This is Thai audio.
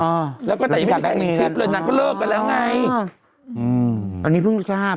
อ้าแล้วก็แต่ยังไม่ได้ติดเลยนะก็เลิกกันแล้วไงอ้าวอืมอ่านี้พึ่งทราบ